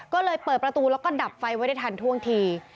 ก็เลยเปิดประตูแล้วก็ดับไฟไว้ได้ทันท่วงที